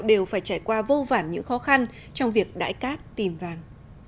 đều phải trải qua vô vản những khó khăn trong việc đãi cát tìm vàng